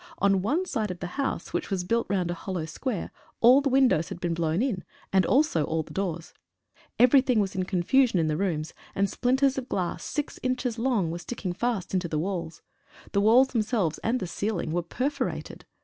On one side of the house, which was built round a hollow square, all the windows had been blown in, and also the doors. Everything was in con fusion in the rooms, and splinters of glass six inches long were sticking fast into the walls. The walls themselves and the ceiling were perforated.